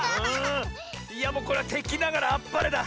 いやもうこれはてきながらあっぱれだ。